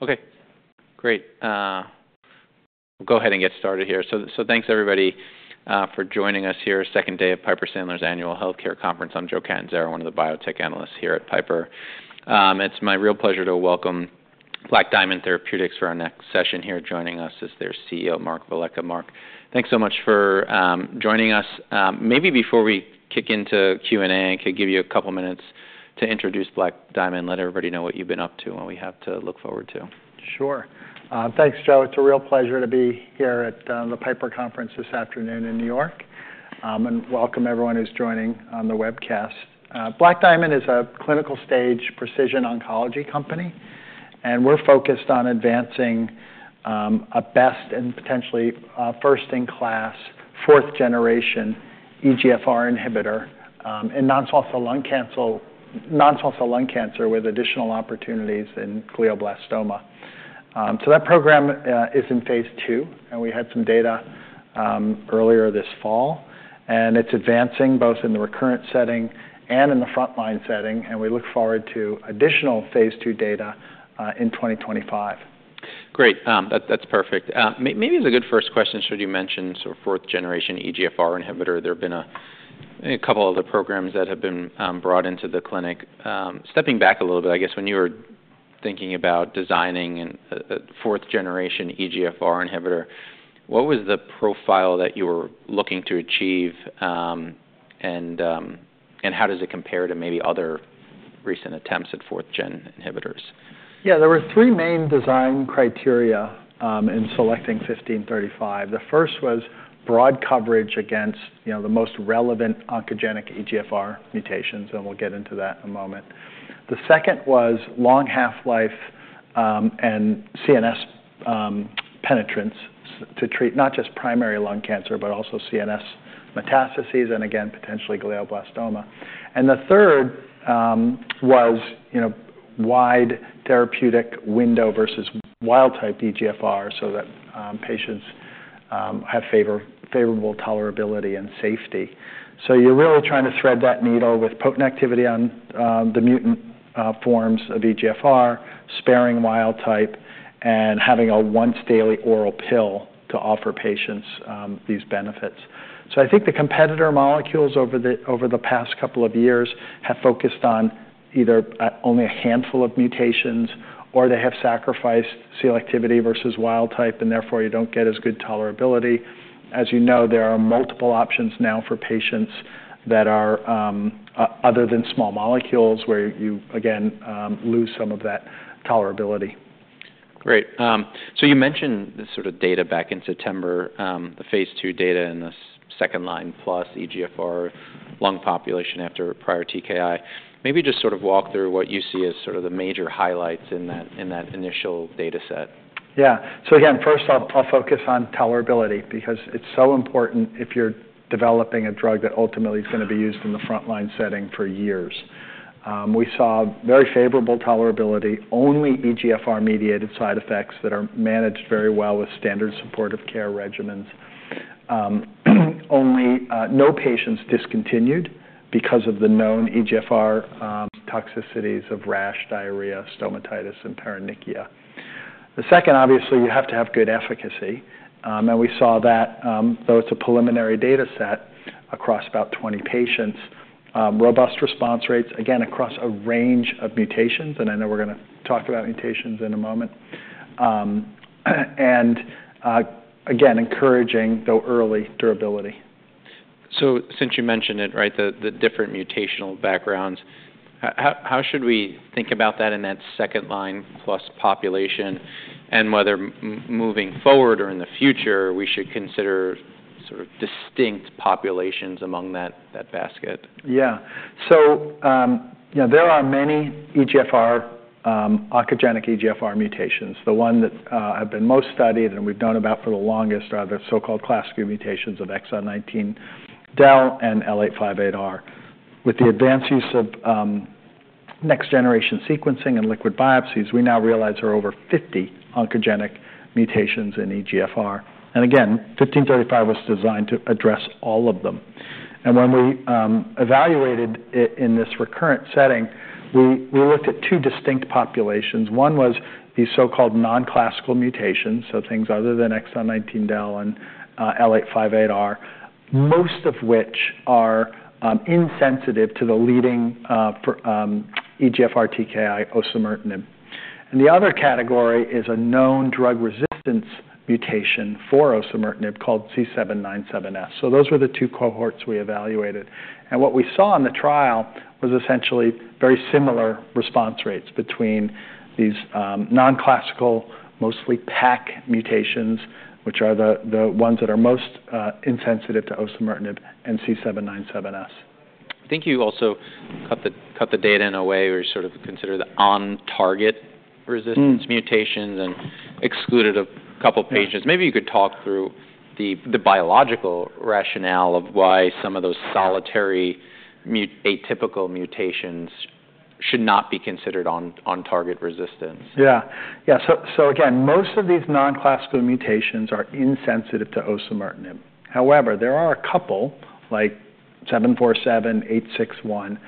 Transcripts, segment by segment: Okay. Great. We'll go ahead and get started here. So, thanks everybody for joining us here, second day of Piper Sandler's annual healthcare conference. I'm Joe Catanzaro, one of the biotech analysts here at Piper. It's my real pleasure to welcome Black Diamond Therapeutics for our next session here. Joining us is their CEO, Mark Velleca. Mark, thanks so much for joining us. Maybe before we kick into Q&A, I could give you a couple minutes to introduce Black Diamond, let everybody know what you've been up to and what we have to look forward to. Sure. Thanks, Joe. It's a real pleasure to be here at the Piper conference this afternoon in New York, and welcome everyone who's joining on the webcast. Black Diamond is a clinical-stage precision oncology company, and we're focused on advancing a best- and potentially first-in-class fourth-generation EGFR inhibitor in non-small cell lung cancer, non-small cell lung cancer with additional opportunities in glioblastoma. So that program is in phase two, and we had some data earlier this fall, and it's advancing both in the recurrent setting and in the frontline setting, and we look forward to additional phase two data in 2025. Great. That's perfect. Maybe it's a good first question. Should you mention sort of fourth-generation EGFR inhibitor? There have been a couple other programs that have been brought into the clinic. Stepping back a little bit, I guess when you were thinking about designing a fourth-generation EGFR inhibitor, what was the profile that you were looking to achieve, and how does it compare to maybe other recent attempts at fourth-gen inhibitors? Yeah, there were three main design criteria in selecting 1535. The first was broad coverage against, you know, the most relevant oncogenic EGFR mutations, and we'll get into that in a moment. The second was long half-life and CNS penetrance to treat not just primary lung cancer but also CNS metastases and, again, potentially glioblastoma. The third was, you know, wide therapeutic window versus wild-type EGFR so that patients have favorable tolerability and safety. So you're really trying to thread that needle with potent activity on the mutant forms of EGFR, sparing wild-type, and having a once-daily oral pill to offer patients these benefits. So I think the competitor molecules over the past couple of years have focused on either only a handful of mutations or they have sacrificed activity versus wild-type, and therefore you don't get as good tolerability. As you know, there are multiple options now for patients that are, other than small molecules where you, again, lose some of that tolerability. Great. So you mentioned this sort of data back in September, the phase II data in the second line plus EGFR lung population after prior TKI. Maybe just sort of walk through what you see as sort of the major highlights in that initial data set. Yeah. So again, first I'll focus on tolerability because it's so important if you're developing a drug that ultimately is going to be used in the frontline setting for years. We saw very favorable tolerability, only EGFR-mediated side effects that are managed very well with standard supportive care regimens. Only, no patients discontinued because of the known EGFR toxicities of rash, diarrhea, stomatitis, and paronychia. The second, obviously, you have to have good efficacy. And we saw that, though it's a preliminary data set across about 20 patients, robust response rates, again, across a range of mutations, and I know we're going to talk about mutations in a moment. And, again, encouraging, though early, durability. So since you mentioned it, right, the different mutational backgrounds, how should we think about that in that second line plus population and whether moving forward or in the future we should consider sort of distinct populations among that basket? Yeah. So, you know, there are many EGFR oncogenic EGFR mutations. The one that have been most studied and we've known about for the longest are the so-called classic mutations of exon 19 del, and L858R. With the advanced use of next-generation sequencing and liquid biopsies, we now realize there are over 50 oncogenic mutations in EGFR. And again, 1535 was designed to address all of them. And when we evaluated it in this recurrent setting, we looked at two distinct populations. One was the so-called non-classical mutations, so things other than exon 19 del, and L858R, most of which are insensitive to the leading EGFR TKI, osimertinib. And the other category is a known drug-resistance mutation for osimertinib called C797S. So those were the two cohorts we evaluated. What we saw in the trial was essentially very similar response rates between these non-classical, mostly PACC mutations, which are the ones that are most insensitive to osimertinib and C797S. I think you also cut the data in a way where you sort of consider the on-target resistance mutations and excluded a couple patients. Maybe you could talk through the biological rationale of why some of those solitary atypical mutations should not be considered on-target resistance. Yeah. So again, most of these non-classical mutations are insensitive to osimertinib. However, there are a couple like 747, 861 that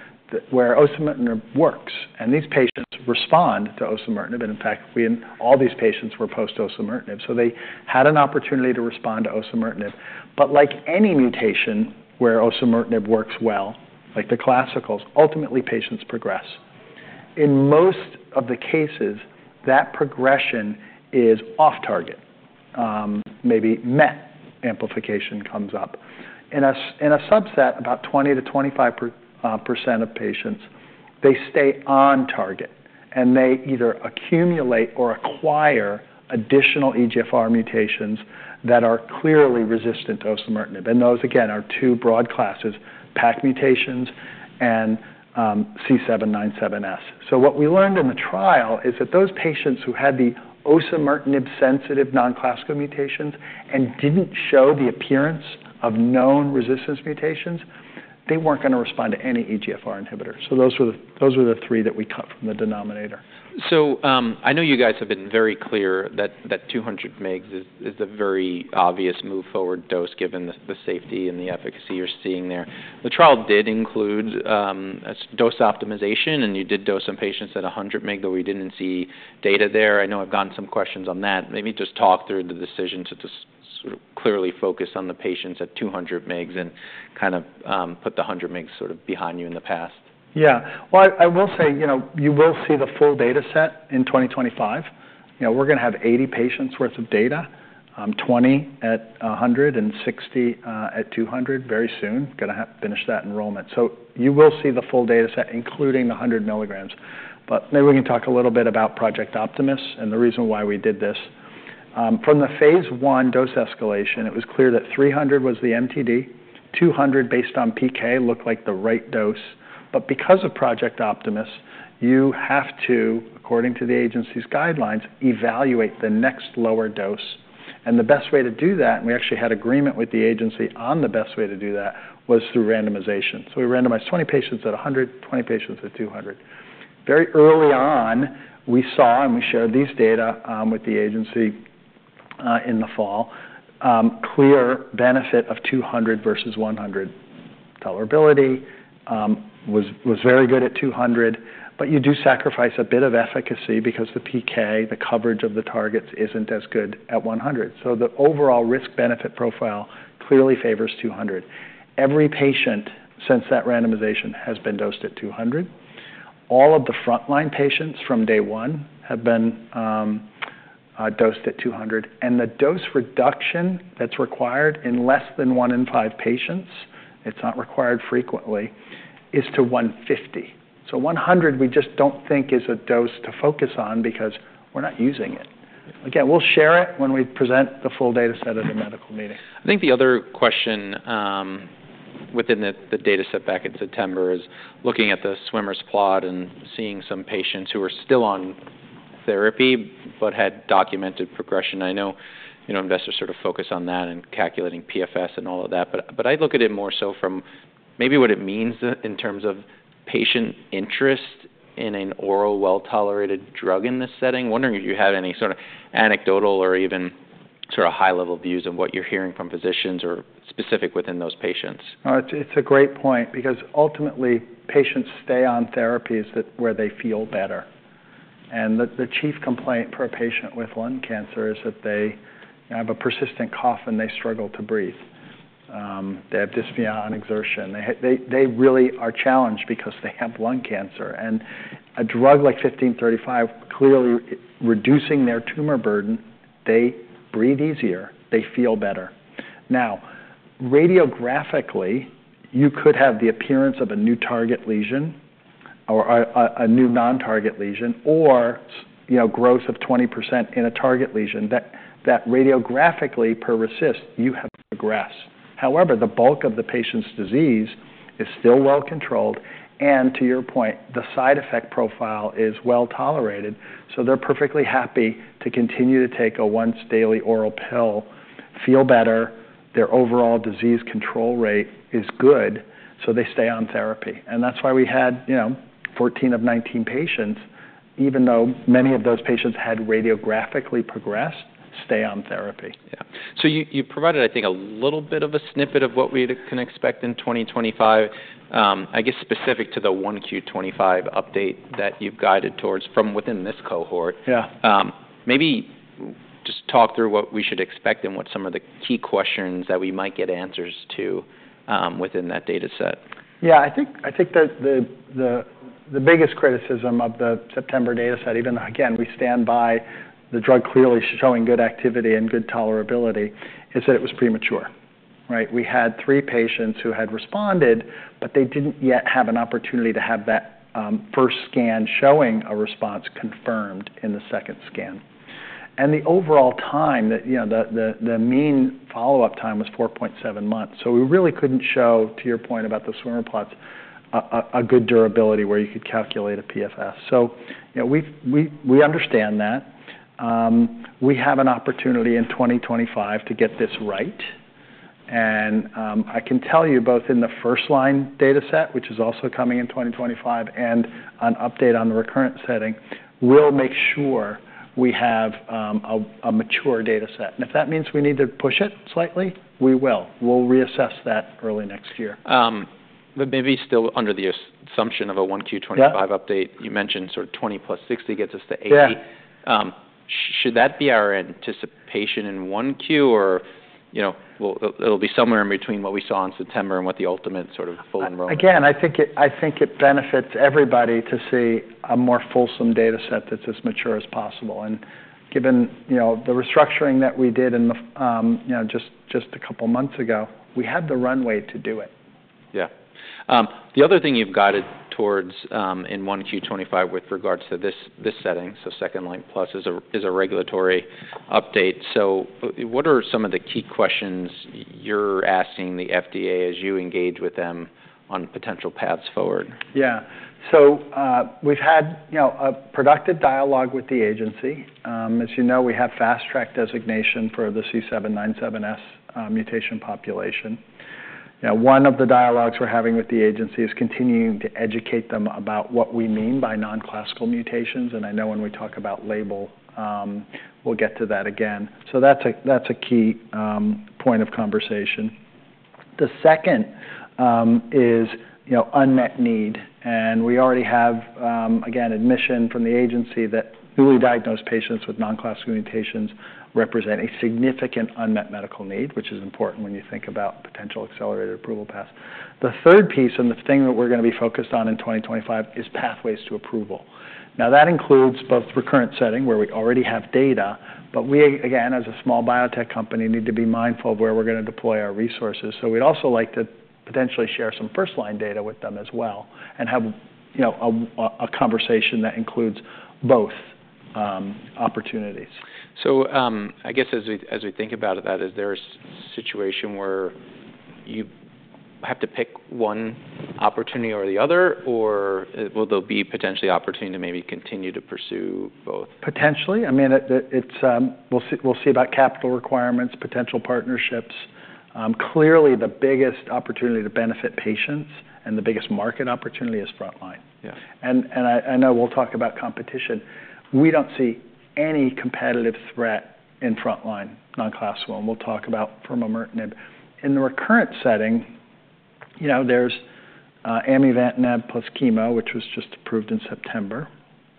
where osimertinib works, and these patients respond to osimertinib. And in fact, we in all these patients were post-osimertinib, so they had an opportunity to respond to osimertinib. But like any mutation where osimertinib works well, like the classicals, ultimately patients progress. In most of the cases, that progression is off-target. Maybe MET amplification comes up. In a subset, about 20%-25% of patients, they stay on-target, and they either accumulate or acquire additional EGFR mutations that are clearly resistant to osimertinib. And those, again, are two broad classes: PACC mutations and C797S. What we learned in the trial is that those patients who had the osimertinib-sensitive non-classical mutations and didn't show the appearance of known resistance mutations, they weren't going to respond to any EGFR inhibitor. Those were the three that we cut from the denominator. I know you guys have been very clear that 200 mg is a very obvious move forward dose given the safety and the efficacy you're seeing there. The trial did include a dose optimization, and you did dose some patients at 100 mg, though we didn't see data there. I know I've gotten some questions on that. Maybe just talk through the decision to just sort of clearly focus on the patients at 200 mg and kind of put the 100 mg sort of behind you in the past. Yeah. Well, I will say, you know, you will see the full data set in 2025. You know, we're going to have 80 patients' worth of data, 20 at 100 and 60 at 200 very soon. Going to have finish that enrollment. So you will see the full data set, including the 100 mg. But maybe we can talk a little bit about Project Optimus and the reason why we did this. From the phase 1 dose escalation, it was clear that 300 was the MTD, 200 based on PK looked like the right dose. But because of Project Optimus, you have to, according to the agency's guidelines, evaluate the next lower dose. And the best way to do that, and we actually had agreement with the agency on the best way to do that, was through randomization. So we randomized 20 patients at 100, 20 patients at 200. Very early on, we saw and we shared these data with the agency in the fall: clear benefit of 200 versus 100. Tolerability was very good at 200, but you do sacrifice a bit of efficacy because the PK, the coverage of the targets, isn't as good at 100. So the overall risk-benefit profile clearly favors 200. Every patient since that randomization has been dosed at 200. All of the frontline patients from day one have been dosed at 200. And the dose reduction that's required in less than one in five patients, it's not required frequently, is to 150. So 100 we just don't think is a dose to focus on because we're not using it. Again, we'll share it when we present the full data set at the medical meeting. I think the other question within the data set back in September is looking at the Swimmer's plot and seeing some patients who are still on therapy but had documented progression. I know, you know, investors sort of focus on that and calculating PFS and all of that, but I look at it more so from maybe what it means in terms of patient interest in an oral well-tolerated drug in this setting. Wondering if you had any sort of anecdotal or even sort of high-level views of what you're hearing from physicians or specific within those patients. No, it's a great point because ultimately patients stay on therapies where they feel better. And the chief complaint per patient with lung cancer is that they, you know, have a persistent cough and they struggle to breathe. They have dyspnea on exertion. They really are challenged because they have lung cancer. And a drug like 1535 clearly reducing their tumor burden, they breathe easier, they feel better. Now, radiographically, you could have the appearance of a new target lesion or a new non-target lesion or, you know, growth of 20% in a target lesion that radiographically per RECIST you have progressed. However, the bulk of the patient's disease is still well controlled, and to your point, the side effect profile is well tolerated, so they're perfectly happy to continue to take a once-daily oral pill, feel better, their overall disease control rate is good, so they stay on therapy, and that's why we had, you know, 14 of 19 patients, even though many of those patients had radiographically progressed, stay on therapy. Yeah. So you provided, I think, a little bit of a snippet of what we can expect in 2025. I guess specific to the 1Q25 update that you've guided towards from within this cohort. Yeah. Maybe just talk through what we should expect and what some of the key questions that we might get answers to, within that data set. Yeah. I think that the biggest criticism of the September data set, even though again, we stand by the drug clearly showing good activity and good tolerability, is that it was premature, right? We had three patients who had responded, but they didn't yet have an opportunity to have that first scan showing a response confirmed in the second scan. And the overall time that, you know, the mean follow-up time was 4.7 months. So we really couldn't show, to your point about the swimmer plots, a good durability where you could calculate a PFS. So, you know, we understand that. We have an opportunity in 2025 to get this right. I can tell you both in the first line data set, which is also coming in 2025, and an update on the recurrent setting. We'll make sure we have a mature data set. If that means we need to push it slightly, we will. We'll reassess that early next year. but maybe still under the assumption of a 1Q25 update, you mentioned sort of 20 plus 60 gets us to 80. Yeah. Should that be our anticipation in 1Q or, you know, will it be somewhere in between what we saw in September and what the ultimate sort of full enrollment? Again, I think it benefits everybody to see a more fulsome data set that's as mature as possible. And given, you know, the restructuring that we did in the, you know, just a couple months ago, we had the runway to do it. Yeah. The other thing you've guided towards, in 1Q25 with regards to this setting, so second line plus is a regulatory update. So what are some of the key questions you're asking the FDA as you engage with them on potential paths forward? Yeah. So, we've had, you know, a productive dialogue with the agency. As you know, we have Fast Track designation for the C797S mutation population. You know, one of the dialogues we're having with the agency is continuing to educate them about what we mean by non-classical mutations. And I know when we talk about label, we'll get to that again. So that's a key point of conversation. The second is, you know, unmet need. And we already have, again, admission from the agency that newly diagnosed patients with non-classical mutations represent a significant unmet medical need, which is important when you think about potential accelerated approval paths. The third piece and the thing that we're going to be focused on in 2025 is pathways to approval. Now, that includes both recurrent setting where we already have data, but we, again, as a small biotech company, need to be mindful of where we're going to deploy our resources. So we'd also like to potentially share some first-line data with them as well and have, you know, a conversation that includes both opportunities. I guess as we think about that, is there a situation where you have to pick one opportunity or the other, or will there be potentially opportunity to maybe continue to pursue both? Potentially. I mean, it's, we'll see about capital requirements, potential partnerships. Clearly, the biggest opportunity to benefit patients and the biggest market opportunity is frontline. Yeah. I know we'll talk about competition. We don't see any competitive threat in frontline, non-classical, and we'll talk about furmonertinib. In the recurrent setting, you know, there's amivantamab plus chemo, which was just approved in September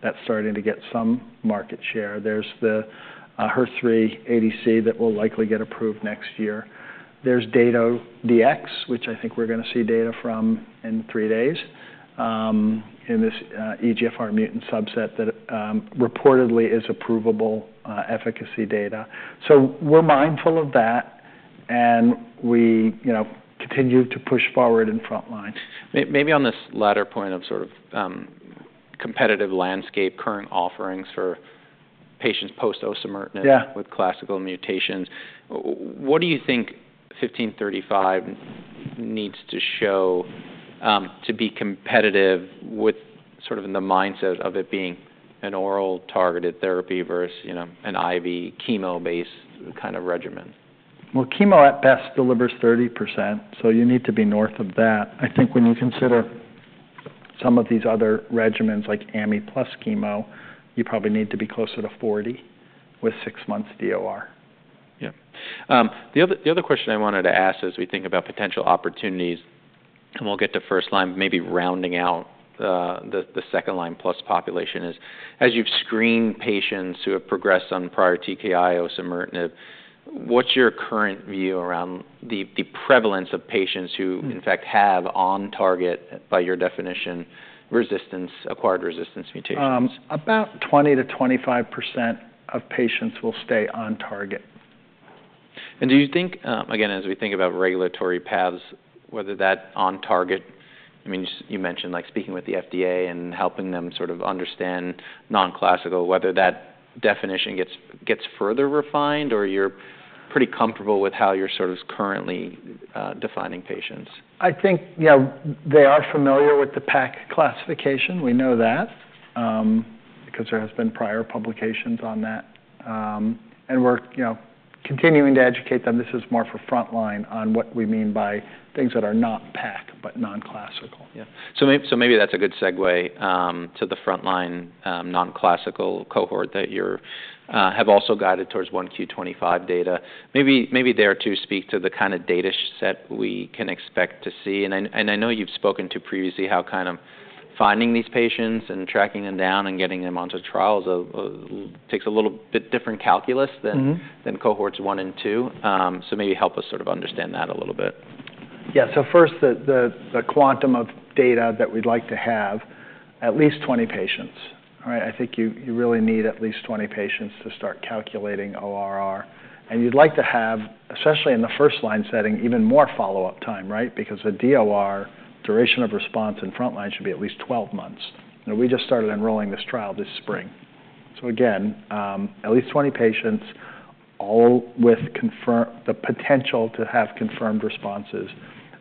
that's starting to get some market share. There's the HER3 ADC that will likely get approved next year. There's Dato-DX, which I think we're going to see data from in three days, in this EGFR mutant subset that reportedly is approvable, efficacy data. So we're mindful of that, and we you know continue to push forward in frontline. Maybe on this latter point of sort of competitive landscape, current offerings for patients post-osimertinib. Yeah. With classical mutations, what do you think 1535 needs to show, to be competitive with sort of in the mindset of it being an oral targeted therapy versus, you know, an IV chemo-based kind of regimen? Chemo at best delivers 30%, so you need to be north of that. I think when you consider some of these other regimens like amivantamab plus chemo, you probably need to be closer to 40% with six months DOR. Yeah. The other question I wanted to ask as we think about potential opportunities, and we'll get to first line, maybe rounding out the second line plus population is, as you've screened patients who have progressed on prior TKI osimertinib, what's your current view around the prevalence of patients who, in fact, have on-target by your definition resistance, acquired resistance mutations? about 20% to 25% of patients will stay on-target. Do you think, again, as we think about regulatory paths, whether that on-target, I mean, you mentioned like speaking with the FDA and helping them sort of understand non-classical, whether that definition gets further refined or you're pretty comfortable with how you're sort of currently defining patients? I think, yeah, they are familiar with the PACC classification. We know that, because there have been prior publications on that, and we're, you know, continuing to educate them. This is more for frontline on what we mean by things that are not PACC but non-classical. Yeah. So maybe that's a good segue to the frontline non-classical cohort that you have also guided towards 1Q25 data. Maybe there too, speak to the kind of data set we can expect to see. And I know you've spoken to previously how kind of finding these patients and tracking them down and getting them onto trials takes a little bit different calculus than cohorts one and two. So maybe help us sort of understand that a little bit. Yeah. So first, the quantum of data that we'd like to have, at least 20 patients, right? I think you really need at least 20 patients to start calculating ORR. And you'd like to have, especially in the first line setting, even more follow-up time, right? Because the DOR duration of response in frontline should be at least 12 months. You know, we just started enrolling this trial this spring. So again, at least 20 patients all with the potential to have confirmed responses,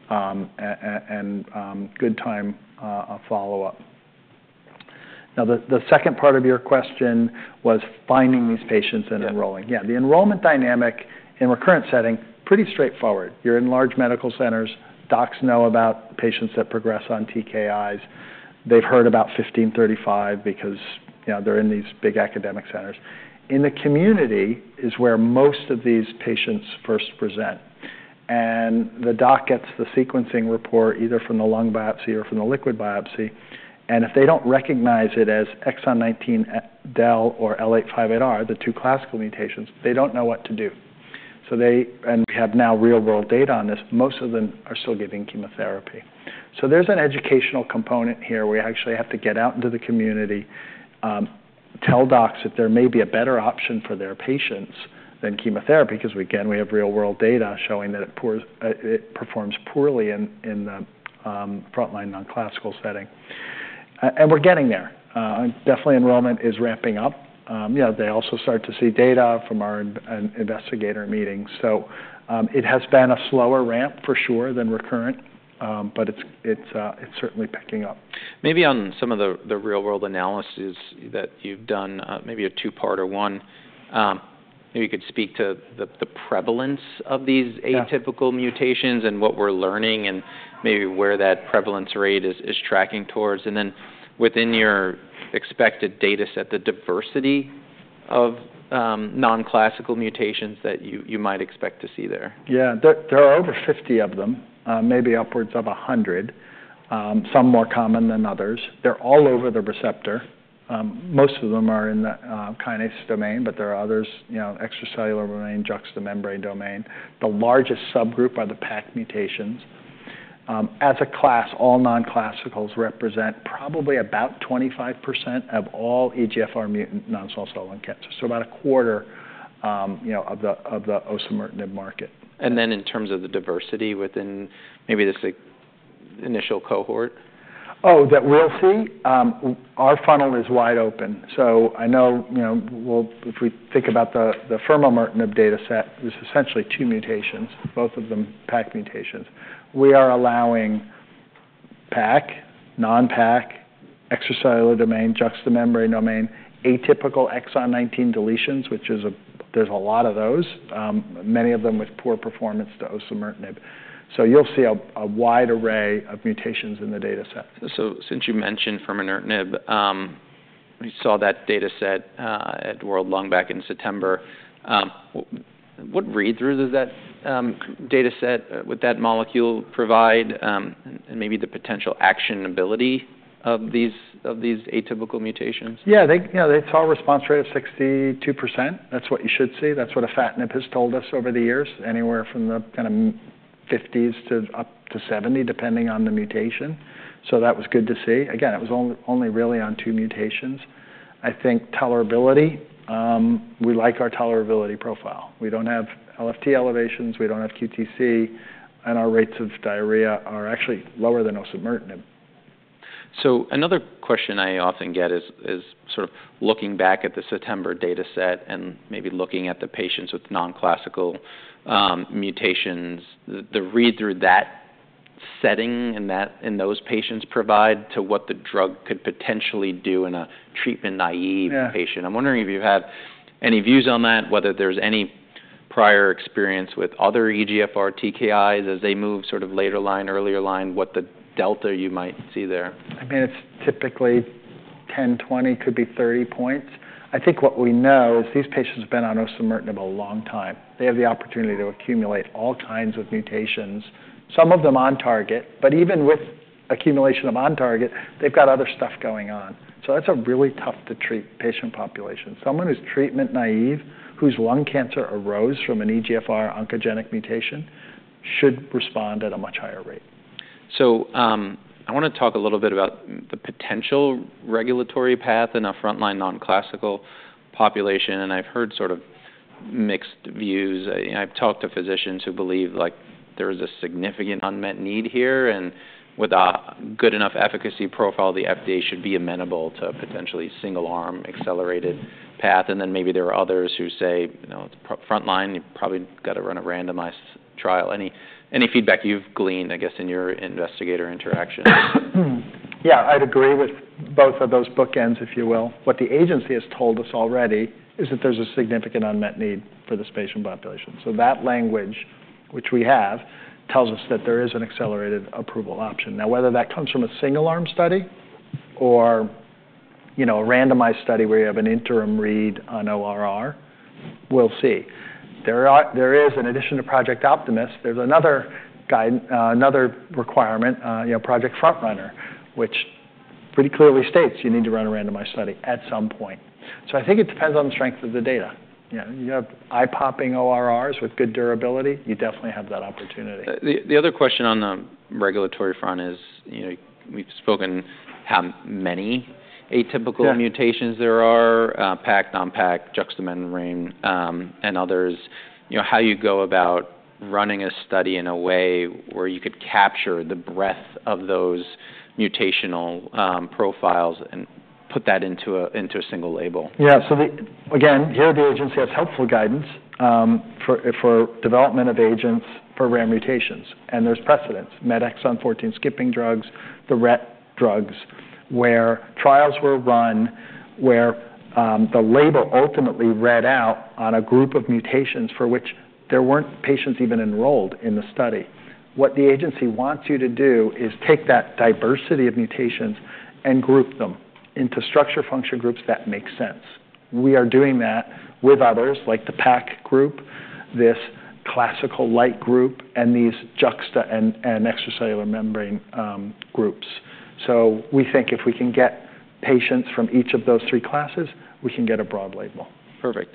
and good time of follow-up. Now, the second part of your question was finding these patients and enrolling. Yeah. Yeah. The enrollment dynamic in recurrent setting, pretty straightforward. You're in large medical centers. Docs know about patients that progress on TKIs. They've heard about 1535 because, you know, they're in these big academic centers. In the community is where most of these patients first present. And the doc gets the sequencing report either from the lung biopsy or from the liquid biopsy. And if they don't recognize it as exon 19 del or L858R, the two classical mutations, they don't know what to do. So they and we have now real-world data on this. Most of them are still getting chemotherapy. So there's an educational component here. We actually have to get out into the community, tell docs that there may be a better option for their patients than chemotherapy because we, again, we have real-world data showing that it performs poorly in the frontline non-classical setting, and we're getting there. Definitely enrollment is ramping up. You know, they also start to see data from our investigator meetings, so it has been a slower ramp for sure than recurrent, but it's certainly picking up. Maybe on some of the real-world analysis that you've done, maybe a two-part or one, maybe you could speak to the prevalence of these atypical mutations and what we're learning and maybe where that prevalence rate is tracking towards. And then within your expected data set, the diversity of non-classical mutations that you might expect to see there. Yeah. There, there are over 50 of them, maybe upwards of 100, some more common than others. They're all over the receptor. Most of them are in the kinase domain, but there are others, you know, extracellular domain, juxtamembrane domain. The largest subgroup are the PACC mutations. As a class, all non-classicals represent probably about 25% of all EGFR mutant non-small cell lung cancer. So about a quarter, you know, of the, of the osimertinib market. And then in terms of the diversity within maybe this initial cohort? Oh, that we'll see. Our funnel is wide open. So I know, you know, we'll if we think about the furmonertinib data set, there's essentially two mutations, both of them PAC mutations. We are allowing PAC, non-PAC, extracellular domain, juxtamembrane domain, atypical exon 19 deletions, which, there's a lot of those, many of them with poor performance to osimertinib. So you'll see a wide array of mutations in the data set. Since you mentioned furmonertinib, we saw that data set at World Lung back in September. What read-through does that data set with that molecule provide, and maybe the potential actionability of these atypical mutations? Yeah. They, you know, they saw a response rate of 62%. That's what you should see. That's what afatinib has told us over the years, anywhere from the kind of 50s to up to 70, depending on the mutation. So that was good to see. Again, it was only, only really on two mutations. I think tolerability, we like our tolerability profile. We don't have LFT elevations. We don't have QTc, and our rates of diarrhea are actually lower than osimertinib. Another question I often get is sort of looking back at the September data set and maybe looking at the patients with non-classical mutations, the read-through that setting and that in those patients provide to what the drug could potentially do in a treatment naive patient. I'm wondering if you have any views on that, whether there's any prior experience with other EGFR TKIs as they move sort of later line, earlier line, what the delta you might see there. I mean, it's typically 10, 20, could be 30 points. I think what we know is these patients have been on osimertinib a long time. They have the opportunity to accumulate all kinds of mutations, some of them on-target, but even with accumulation of on-target, they've got other stuff going on. So that's a really tough-to-treat patient population. Someone who's treatment-naive, whose lung cancer arose from an EGFR oncogenic mutation, should respond at a much higher rate. So, I want to talk a little bit about the potential regulatory path in a frontline non-classical population. And I've heard sort of mixed views. I've talked to physicians who believe like there is a significant unmet need here, and with a good enough efficacy profile, the FDA should be amenable to potentially single-arm accelerated path. And then maybe there are others who say, you know, it's frontline, you probably got to run a randomized trial. Any feedback you've gleaned, I guess, in your investigator interactions? Yeah. I'd agree with both of those bookends, if you will. What the agency has told us already is that there's a significant unmet need for this patient population. So that language, which we have, tells us that there is an accelerated approval option. Now, whether that comes from a single-arm study or, you know, a randomized study where you have an interim read on ORR, we'll see. There is, in addition to Project Optimus, there's another guide, another requirement, you know, Project FrontRunner, which pretty clearly states you need to run a randomized study at some point. So I think it depends on the strength of the data. You know, you have eye-popping ORRs with good durability. You definitely have that opportunity. The other question on the regulatory front is, you know, we've spoken how many atypical mutations there are, PACC, non-PACC, juxtamembrane, and others, you know, how you go about running a study in a way where you could capture the breadth of those mutational profiles and put that into a single label. Yeah. So, again, here the agency has helpful guidance for development of agents for rare mutations. And there's precedents, like exon 14 skipping drugs, the RET drugs, where trials were run where the label ultimately read out on a group of mutations for which there weren't patients even enrolled in the study. What the agency wants you to do is take that diversity of mutations and group them into structure-function groups that make sense. We are doing that with others like the PACC group, this classical-like group, and these juxtamembrane and extracellular membrane groups. So we think if we can get patients from each of those three classes, we can get a broad label. Perfect.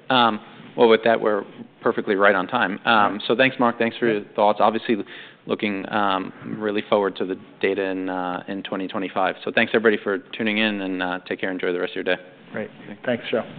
Well, with that, we're perfectly right on time. So thanks, Mark. Thanks for your thoughts. Obviously looking really forward to the data in 2025. So thanks everybody for tuning in and take care and enjoy the rest of your day. Great. Thanks, Joe.